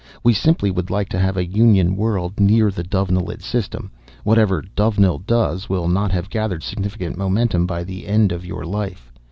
We simply would like to have a Union world near the Dovenilid system. Whatever Dovenil does will not have gathered significant momentum by the end of your life.